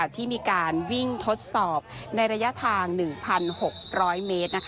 ที่มีการวิ่งทดสอบในระยะทาง๑๖๐๐เมตร